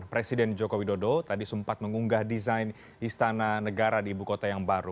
presiden joko widodo tadi sempat mengunggah desain istana negara di ibu kota yang baru